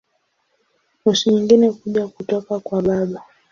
Nusu nyingine kuja kutoka kwa baba.